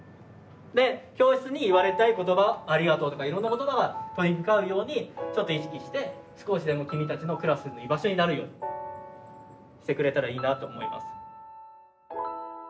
で教室に言われたい言葉「ありがとう」とかいろんな言葉が飛び交うようにちょっと意識して少しでも君たちのクラスの居場所になるようにしてくれたらいいなあと思います。